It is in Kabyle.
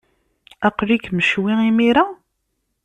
Aql-ikem ccwi imir-a?